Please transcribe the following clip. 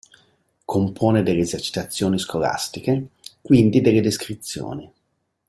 Compone delle esercitazioni scolastiche, quindi delle descrizioni.